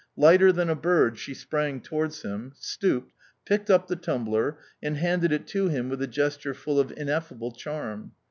Lighter than a bird she sprang towards him, stooped, picked up the tumbler, and handed it to him with a gesture full of ineffable charm.